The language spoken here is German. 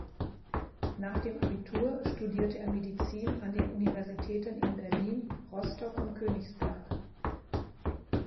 Nach dem Abitur studierte er Medizin an den Universitäten in Berlin, Rostock und Königsberg.